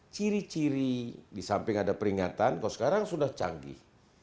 ciri ciri di samping ada peringatan kalau sekarang sudah canggih